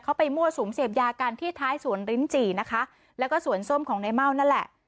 เขาไปมั่วสุมเสพยากันที่ท้ายสวนลิ้นจี่นะคะแล้วก็สวนส้มของในเม่านั่นแหละ